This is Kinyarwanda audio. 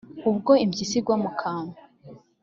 ” Ubwo impyisi igwa mu kantu,